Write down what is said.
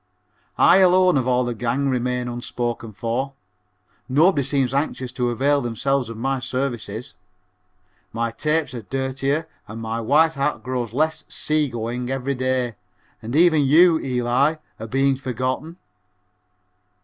I alone of all the gang remain unspoken for nobody seems anxious to avail themselves of my services. My tapes are dirtier and my white hat grows less "sea going" every day and even you, Eli, are being forgotten.